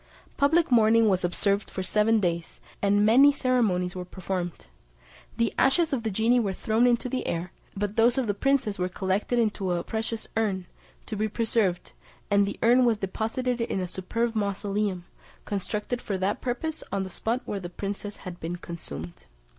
Public mourning was observed for seven days, and many ceremonies were performed. The ashes of the genie were thrown into the air, but those of the princess were collected into a precious urn, to be preserved, and the urn was deposited in a superb mausoleum, constructed for that purpose on the spot where the princess had been consumed.